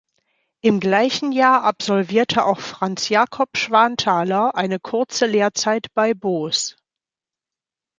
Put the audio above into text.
Im gleichen Jahr absolvierte auch Franz Jakob Schwanthaler eine kurze Lehrzeit bei Boos.